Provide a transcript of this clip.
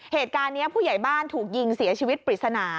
เหตุการณ์นี้ผู้ใหญ่บ้านถูกยิงเสียชีวิตปริศนา